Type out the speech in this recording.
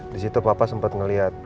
di situ papa sempet ngeliat